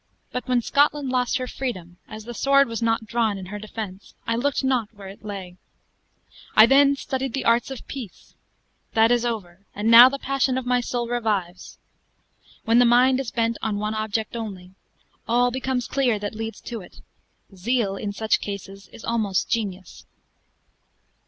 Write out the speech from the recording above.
"But when Scotland lost her freedom, as the sword was not drawn in her defense, I looked not where it lay. I then studied the arts of peace; that is over; and now the passion of my soul revives. When the mind is bent on one object only, all becomes clear that leads to it; zeal, in such cases, is almost genius."